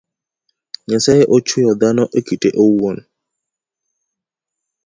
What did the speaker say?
Nyasaye ochueyo dhano ekite owuon